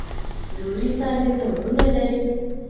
لورې څانګه څو وروڼه لري؟؟